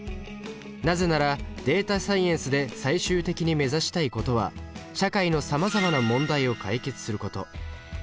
なぜならデータサイエンスで最終的に目指したいことは社会のさまざまな問題を解決すること。